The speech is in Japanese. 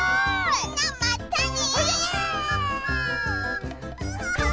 みんなまったね！